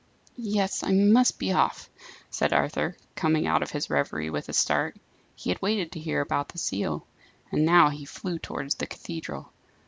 "Yes, I must be off," said Arthur, coming out of his reverie with a start. He had waited to hear about the seal. And now flew towards the cathedral.